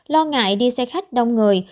lo ngại đi xe khách đông người